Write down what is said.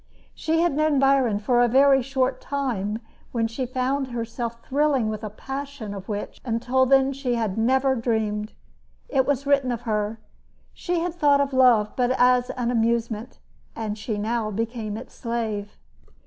She had known Byron but a very short time when she found herself thrilling with a passion of which until then she had never dreamed. It was written of her: She had thought of love but as an amusement; yet she now became its slave.